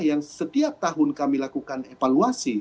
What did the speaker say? yang setiap tahun kami lakukan evaluasi